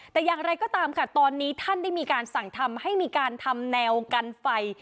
แต่อย่างไรก็ตามค่ะตอนนี้ท่านได้มีการสั่งทำให้มีการทำแนวกันไฟ